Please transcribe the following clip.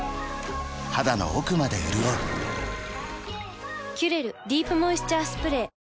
肌の奥まで潤う「キュレルディープモイスチャースプレー」